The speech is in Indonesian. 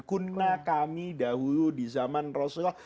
kunna kami dahulu di zaman rasulullah